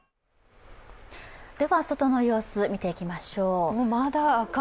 外の様子、見ていきましょう。